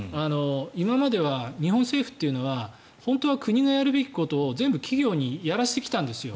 今までは日本政府というのは本当は国がやるべきことを全部企業にやらせてきたんですよ